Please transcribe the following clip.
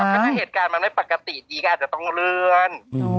ถ้าเหตุการณ์มันไม่ปกติดีก็อาจจะต้องเลื่อน